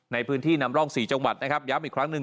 ในพื้นที่นำร่อง๔จังหวัดนะครับย้ำอีกครั้งหนึ่ง